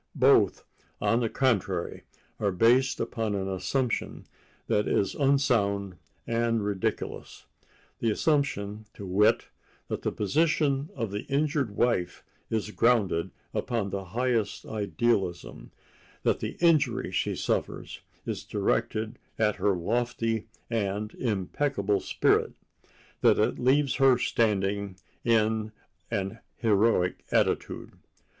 Both, on the contrary, are based upon an assumption that is unsound and ridiculous—the assumption, to wit, that the position of the injured wife is grounded upon the highest idealism—that the injury she suffers is directed at her lofty and impeccable spirit—that it leaves her standing in an heroic attitude.